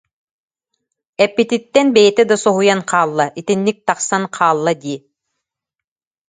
Эппититтэн бэйэтэ да соһуйан хаалла, итинник тахсан хаалла дии